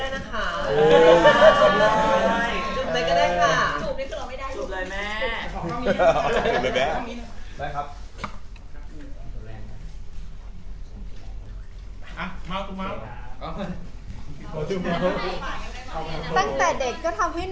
น่าโกรธครับผม